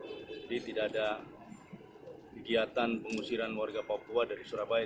jadi tidak ada kegiatan pengusiran warga papua dari surabaya